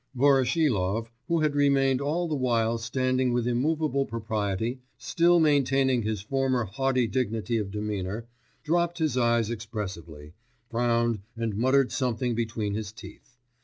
Voroshilov, who had remained all the while standing with immovable propriety, still maintaining his former haughty dignity of demeanour, dropped his eyes expressively, frowned, and muttered something between his teeth